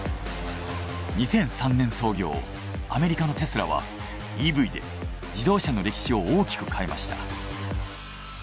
２００３年創業アメリカのテスラはＥＶで自動車の歴史を大きく変えました。